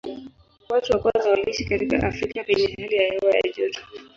Watu wa kwanza waliishi katika Afrika penye hali ya hewa ya joto.